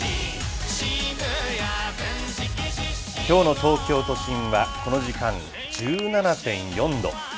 きょうの東京都心はこの時間、１７．４度。